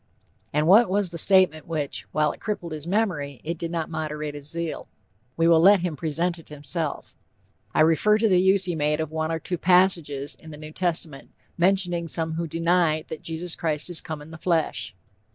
And what was the statement which, while it crippled his memory, it did not moderate his zeal? We will let him present it himself; "I refer to the use he made of one or two passages in the New Testament, mentioning some who deny 'that Jesus Christ is come in the flesh.'